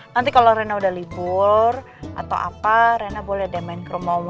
nanti kalau rhena udah libur atau apa rhena boleh deh main ke rumah oma sama opa